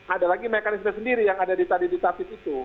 ada lagi mekanisme sendiri yang ada di tadi di tatib itu